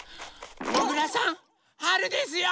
もぐらさんはるですよ！